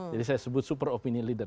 jadi saya sebut super opinion leader